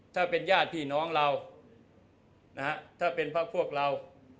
ถ้าเป็นญาติพี่น้องเรานะฮะถ้าเป็นเพราะพวกเรา